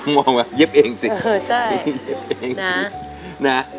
มองว่าเย็บเองสิเออใช่เย็บเองสินะ